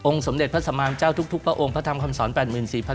๔องค์สมเด็จพระสมามเจ้าทุกพระองค์พระธรรมคำสอน